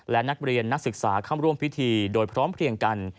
และนักเรียนนักศึกษาเข้าร่วมพิธีโดยพร้อมเพลียงกัน